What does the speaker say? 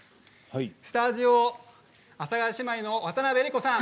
スタジオ、阿佐ヶ谷姉妹の渡辺江里子さん。